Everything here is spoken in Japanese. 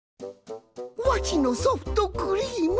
わしのソフトクリーム！